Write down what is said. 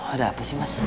ada apa sih mas